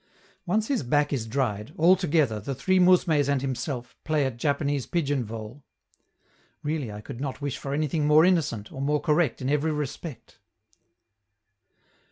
Once his back is dried, all together, the three mousmes and himself, play at Japanese pigeon vole. Really I could not wish for anything more innocent, or more correct in every respect.